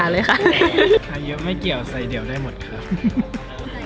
ใครเยอะไม่เกี่ยวใสเป็นหมดค่ะ